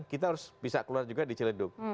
kita harus bisa keluar juga di ciledug